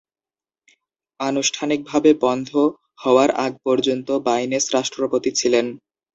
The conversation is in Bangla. আনুষ্ঠানিকভাবে বন্ধ হওয়ার আগ পর্যন্ত বাইনেস রাষ্ট্রপতি ছিলেন।